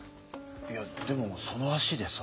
いやでもその足でさ。